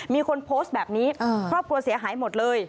มีคนโพสต์แบบนี้ครอบครัวเสียหายหมดเลย